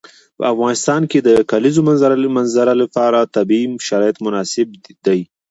په افغانستان کې د د کلیزو منظره لپاره طبیعي شرایط مناسب دي.